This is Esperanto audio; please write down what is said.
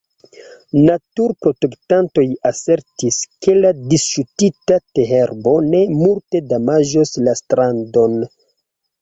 Naturprotektantoj asertis, ke la disŝutita teherbo ne multe damaĝos la strandon.